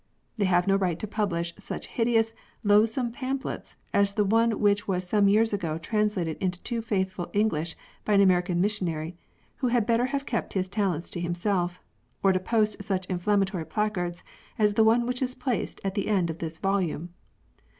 They have no right to publish such hideous, loathsome pamphlets, as the one which was some years ago translated into too faithful English by an American missionary, who had better have kept his talents to himself, or to post such inflammatory placards as the one which is placed at the end of this volume.